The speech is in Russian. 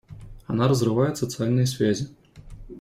Она разрывает социальные связи.